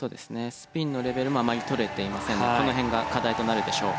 スピンのレベルもあまり取れていませんのでこの辺が課題となるでしょう。